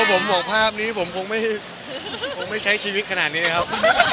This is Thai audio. ถ้าตัวผมห่วงภาพนี้ผมคงไม่ใช้ชีวิตขนาดนี้นะครับ